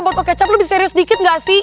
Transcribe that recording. botol kecap lo bisa serius sedikit gak sih